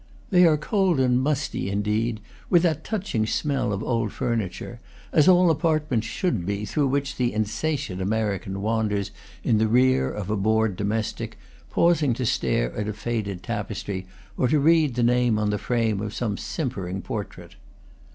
They are cold and musty, indeed, with that touching smell of old furniture, as all apartments should be through which the insatiate American wanders in the rear of a bored domestic, pausing to stare at a faded tapestry or to read the name on the frame of some simpering portrait.